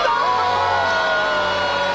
お！